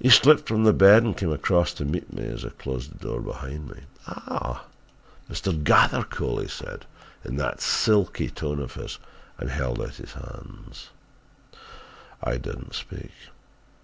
"He slipped from the bed and came across to meet me as I closed the door behind me. "'Ah, Mr. Gathercole,' he said, in that silky tone of his, and held out his hand. "I did not speak.